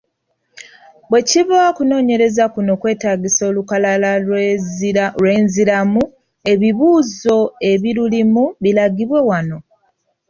Bwe kiba okunoonyereza kuno kwetaagisa olukalala lw’enzirwamu, ebibuuzo ebilulimu biragibwe wano.